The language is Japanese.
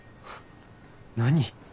何？